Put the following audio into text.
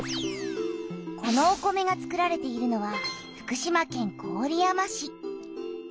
このお米がつくられているのは福島県郡山市。